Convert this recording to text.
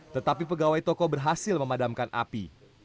tetapi pegawai toko berhasil memadamkan api